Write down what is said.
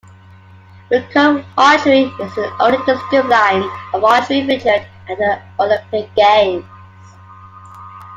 Recurve archery is the only discipline of archery featured at the Olympic Games.